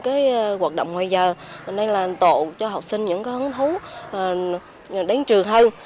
nhiều những hoạt động ngoài giờ nên là tổ cho học sinh những hấn thú đến trường hơn